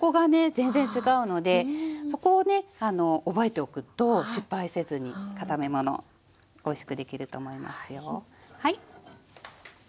全然違うのでそこをね覚えておくと失敗せずに固めものおいしくできると思いますよ。